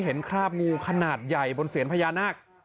คราบงูขนาดใหญ่บนเสียนพญานาค